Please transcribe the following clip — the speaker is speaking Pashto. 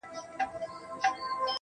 ما په ژړغوني اواز دا يــوه گـيـله وكړه